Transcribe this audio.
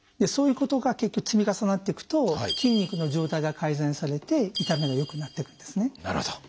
そういうことが結局積み重なっていくと筋肉の状態が改善されて痛みが良くなっていくんですね。